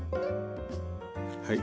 はい。